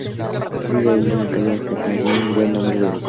Vive allí en la calle, hasta que un buen hombre lo recoge.